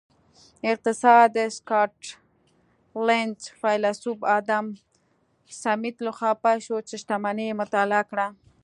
اقتصاد د سکاټلینډ فیلسوف ادم سمیت لخوا پیل شو چې شتمني یې مطالعه کړه